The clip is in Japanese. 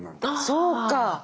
そうか。